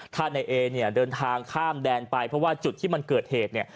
ถ้านายเอเนี่ยเดินทางข้ามแดนไปเพราะว่าจุดที่มันเกิดเหตุเนี่ย